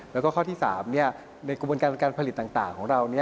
แล้วก็ข้อที่๓ในกระบวนการการผลิตต่างของเรา